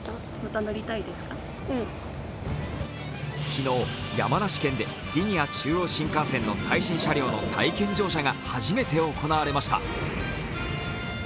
昨日、山梨県でリニア中央新幹線の最新車両の体験乗車が初めて行われました。